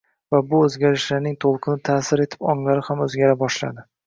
va bu o‘zgarishlarning to‘lqini ta’sir etib onglari ham o‘zgara boshladi.